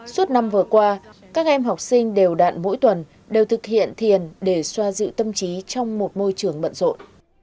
suốt năm vừa qua các em học sinh đều đạn mỗi tuần đều thực hiện thiền để xoa dịu tâm trí trong một môi trường bận rộn